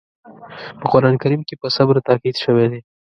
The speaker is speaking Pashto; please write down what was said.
په قرآن کریم کې په صبر تاکيد شوی دی.